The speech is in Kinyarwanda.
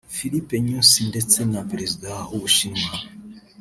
Filipe Nyusi ndetse na Perezida w’u Bushinwa